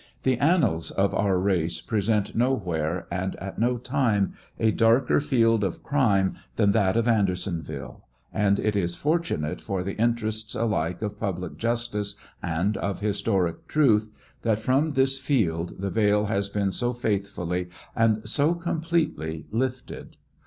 The annals of our race present nowhere and at no time a darker field of crime than that of Andersonville, and it is fortunate for the interests alike of public justice and of historic truth, that from this field the veil has been so faithfully and so completely lifted.